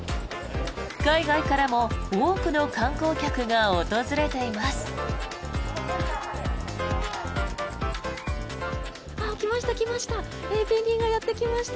海外からも多くの観光客が訪れています。来ました、来ました。